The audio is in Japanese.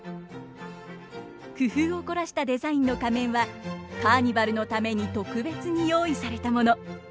工夫を凝らしたデザインの仮面はカーニバルのために特別に用意されたもの。